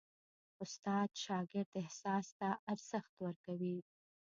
استاد د شاګرد احساس ته ارزښت ورکوي.